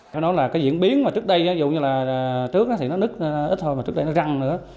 phải nói là cái diễn biến mà trước đây dù như là trước thì nó nứt ít thôi mà trước đây nó răng nữa